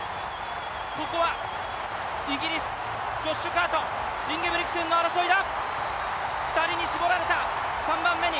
ここはイギリス、ジョッシュ・カーか、インゲブリクセンの争いだ。